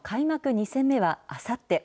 ２戦目は、あさって。